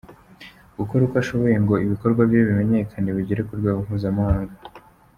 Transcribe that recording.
gukora uko ashoboye ngo ibikorwa bye bimenyekane bigere ku rwego mpuzamahanga.